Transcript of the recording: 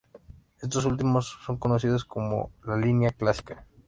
Estos últimos son conocidos como "La Línea Clásica".